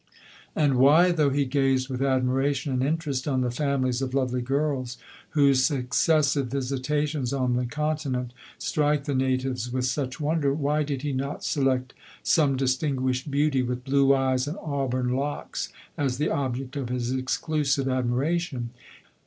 And why, though he gazed with admiration and interest on the families of lovely girls, whose successive visitations on the continent strike the natives with such wonder, why did he not select some distinguished beauty, with blue eyes, and auburn locks, as the object of his exclusive admiration